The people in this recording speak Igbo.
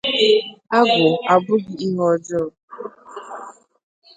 Agwụ abụghi ihe ọjọọ